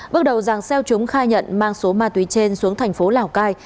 bước đầu giàng xeo chúng khai nhận mang số ma túy trên xuống thành phố lào cai